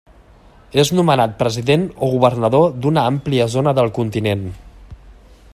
És nomenat president o governador d'una àmplia zona del continent.